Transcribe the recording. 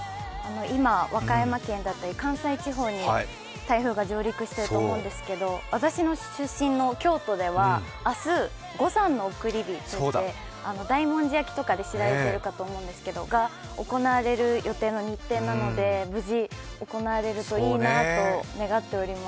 今、和歌山県だったり関西地方に台風が上陸していると思うんですけれども私の出身の京都では明日、五山の送り火、大文字焼きとかで知られているんですが、それが行われる予定の日程なので、無事、行われるといいなと願っております。